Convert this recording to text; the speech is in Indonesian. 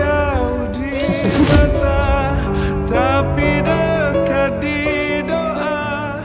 engkau jauh di situ